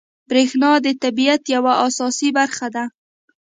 بریښنا د طبیعت یوه اساسي برخه ده